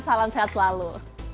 salam sehat selalu